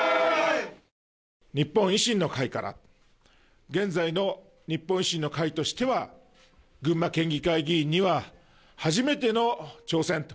日本維新の会から現在の日本維新の会としては群馬県議会議員には初めての挑戦と。